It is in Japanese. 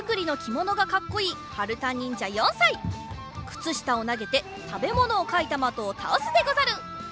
くつしたをなげてたべものをかいた的をたおすでござる。